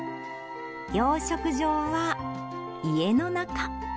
養殖場は家の中。